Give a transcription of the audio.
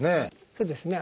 そうですね。